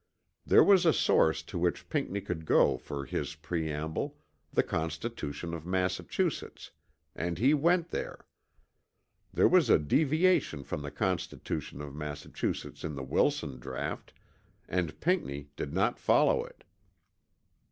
There was a source to which Pinckney could go for his preamble, the constitution of Massachusetts, and he went there; there was a deviation from the constitution of Massachusetts in the Wilson draught, and Pinckney did not follow it.